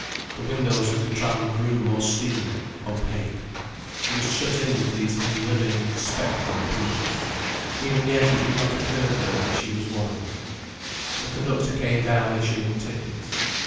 The windows of the tram grew more steamy; opaque. She was shut in with these unliving, spectral people. Even yet it did not occur to her that she was one of them. The conductor came down issuing tickets.